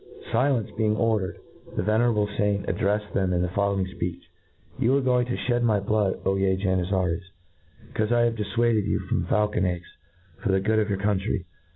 Silence be ing ovdeited, the venerable iamt addtcflfed them in the following fpeech :^* Tou are going to (bed my blood, O ye Janizaries, becaofe I difluaded you from faulcon eggs ior the good of your country.